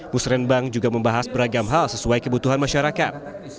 musrembang juga membahas beragam hal sesuai kebutuhan masyarakat